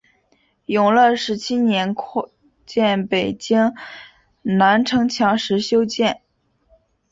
永乐十七年扩建北京南城墙时修建。